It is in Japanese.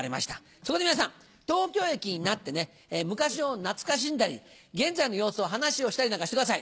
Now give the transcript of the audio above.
そこで皆さん東京駅になってね昔を懐かしんだり現在の様子を話をしたりなんかしてください。